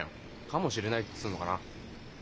かもしれないっつうのかな。